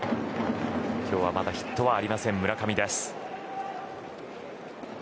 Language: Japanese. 今日はまだヒットはありません村上。